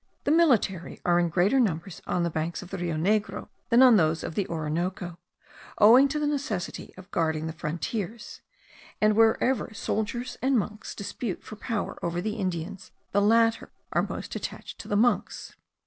The military are in greater numbers on the banks of the Rio Negro than on those of the Orinoco, owing to the necessity of guarding the frontiers; and wherever soldiers and monks dispute for power over the Indians, the latter are most attached to the monks.